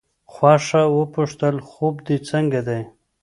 خوښه وپوښتل خوب دې څنګه دی.